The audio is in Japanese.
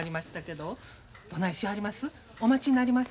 どないしはります？